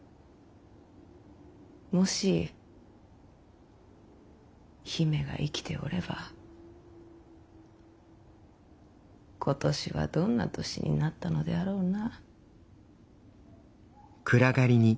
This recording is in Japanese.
もし姫が生きておれば今年はどんな年になったのであろうな。